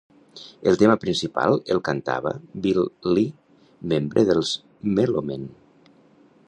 El tema principal el cantava Bill Lee, membre dels Mellomen.